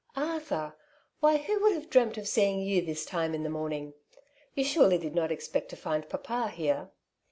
'^ Arthur ! why who would have dreamt of seeing you this time in the morning ? You surely did not expect to find papa here